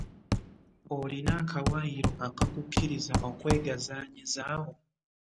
Olina akawaayiro akakukkiriza okwegazaanyiza awo?